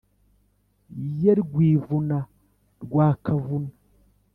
ye rwivuna rwa kavuna